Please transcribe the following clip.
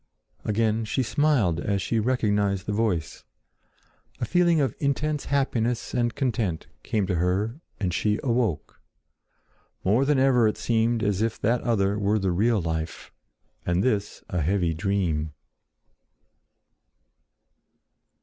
Again she smiled as she recognized the voice. A feeling of intense happiness and content came to her and she—awoke. More than ever it seemed as if that other were the real life, and this a heavy dream.